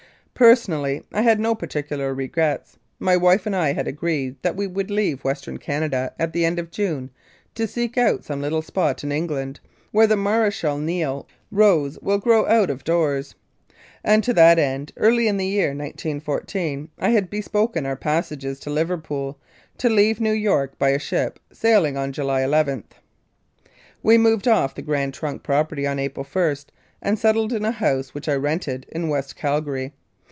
Personally, I had no particular regrets* My wife and I had agreed that we would leave Western Canada at the end of June, to seek out some little spot in Eng land where the Mare*chal Niel rose will grow out of doors, and to that end, early in the year 1914, I had bespoken our passages to Liverpool, to leave New York by a ship sailing on July n. We moved off the Grand Trunk property on April i, and settled in a house which I rented in West Calgary.